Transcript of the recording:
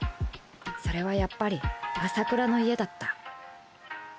それはやっぱり麻倉の家だった。